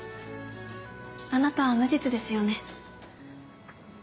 あなたは無実ですよね？